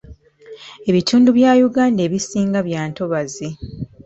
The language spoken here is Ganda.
Ebitundu bya Uganda ebisinga bya ntobazi.